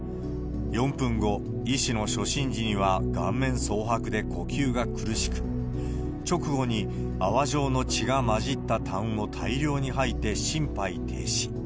４分後、医師の初診時には顔面そう白で呼吸が苦しく、直後に、泡状の血が混じったたんを大量に吐いて心肺停止。